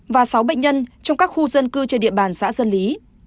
và sáu bệnh nhân trong các khu dân cư trên địa bàn xã dân lý